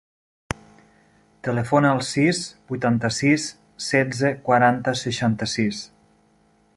Telefona al sis, vuitanta-sis, setze, quaranta, seixanta-sis.